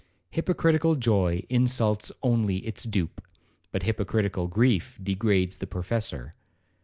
Hypocritical joy insults only its dupe, but hypocritical grief degrades the professor.